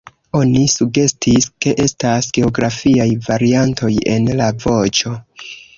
Oni sugestis, ke estas geografiaj variantoj en la voĉo.